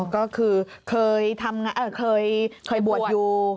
ก็คือเคยบวชอยู่